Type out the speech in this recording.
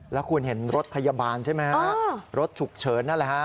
แล้วคุณเห็นรถพยาบาลใช่ไหมฮะรถฉุกเฉินนั่นแหละฮะ